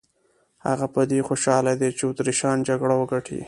هغه په دې خوشاله دی چې اتریشیان جګړه وګټي.